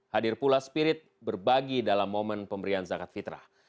hadir pula spirit berbagi dalam momen pemberian zakat fitrah